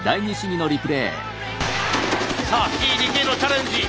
さあＴ・ＤＫのチャレンジ。